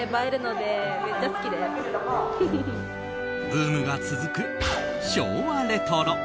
ブームが続く昭和レトロ。